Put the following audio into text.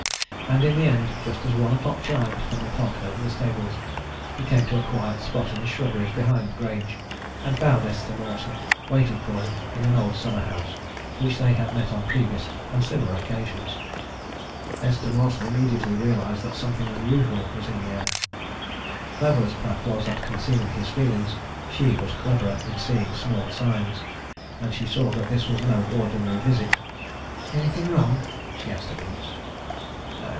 And in the end, just as one o'clock chimed from the clock over the stables, he came to a quiet spot in the shrubberies behind the Grange, and found Esther Mawson waiting for him in an old summer house in which they had met on previous and similar occasions. Esther Mawson immediately realized that something unusual was in the air. Clever as Pratt was at concealing his feelings, she was cleverer in seeing small signs, and she saw that this was no ordinary visit. "Anything wrong?" she asked at once.